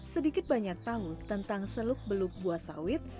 sedikit banyak tahu tentang seluk beluk buah sawit